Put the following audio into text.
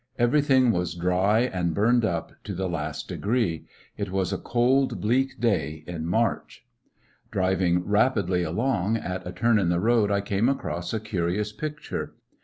Everything was dry and burned up to the last degree. It was a cold, bleak day in March. Driving rapidly along, at a turn in the road *'Cod*s forgot I came across a curious picture.